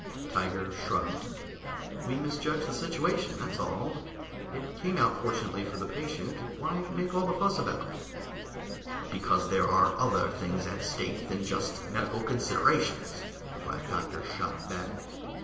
Tiger shrugged. "We misjudged the situation, that's all. It came out fortunately for the patient, why make all this fuss about it?" "Because there are other things at stake than just medical considerations," the Black Doctor shot back.